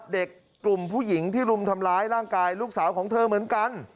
เด็กกลุ่มผู้หญิงที่รุมทำร้ายร่างกายลูกสาวของเธอเหมือนกัน